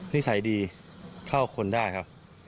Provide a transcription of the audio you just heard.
นิสัยดีเข้าคนได้ครับ